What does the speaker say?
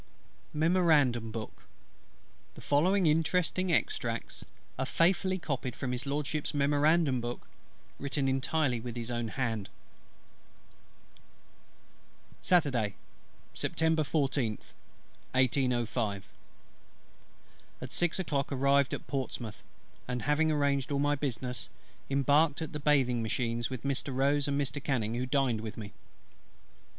MEMORANDUM BOOK The following interesting Extracts are faithfully copied from HIS LORDSHIP'S Memorandum Book, written entirely with his own hand. Saturday, September 14th, 1805. At six o'clock arrived at Portsmouth; and having arranged all my business, embarked at the bathing machines with Mr. ROSE and Mr. CANNING, who dined with me.